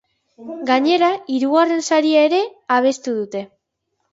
Gainera, hirugarren saria ere abestu dute.